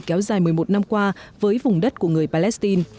kéo dài một mươi một năm qua với vùng đất của người palestine